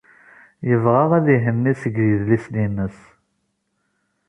Yebɣa ad ihenni seg yedlisen-nnes.